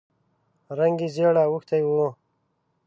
رنګ یې ژېړ اوښتی و.